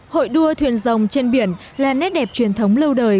hội đua thuyền rồng trên biển là nét đẹp truyền thống lâu đời